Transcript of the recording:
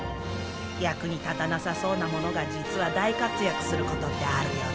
役に立たなさそうなものが実は大活躍することってあるよね。